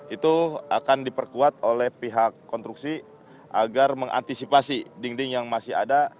itu akan diperkuat oleh pihak konstruksi agar mengantisipasi dinding yang masih ada